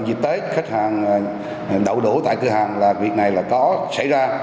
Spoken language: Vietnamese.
đậu đỗ tại cửa hàng là việc này là có xảy ra